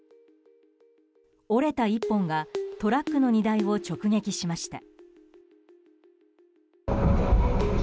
折れた１本がトラックの荷台を直撃しました。